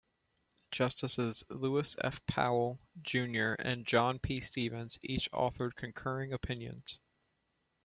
Justices Lewis F. Powell, Junior and John P. Stevens each authored concurring opinions.